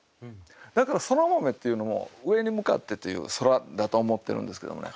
だからそら豆っていうのも上に向かってっていう「空」だと思ってるんですけどもね。